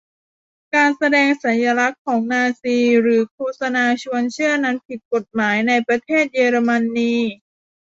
การแสดงสัญลักษณ์ของนาซีหรือโฆษณาชวนเชื่อนั้นผิดกฎหมายในประเทศเยอรมนี